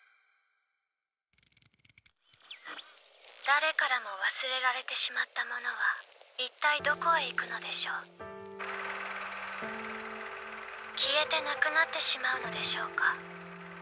誰からも忘れられてしまったものは一体どこへ行くのでしょう消えてなくなってしまうのでしょうか？